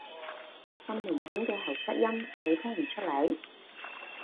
咁明顯嘅喉塞音，你聽唔出來？